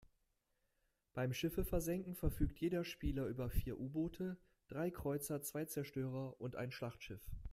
Beim Schiffe versenken verfügt jeder Spieler über vier U-Boote, drei Kreuzer, zwei Zerstörer und ein Schlachtschiff.